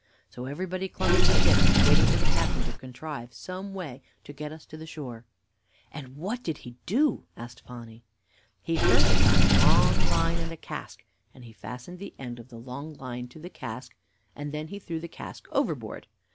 So everybody clung to the ship, waiting for the captain to contrive some way to get us to the shore." "And what did he do?" asked Phonny. "He first got a long line and a cask, and he fastened the end of the long line to the cask, and then threw the cask overboard.